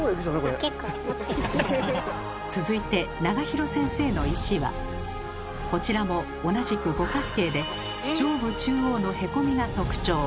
続いて永弘先生の石はこちらも同じく五角形で上部中央のへこみが特徴。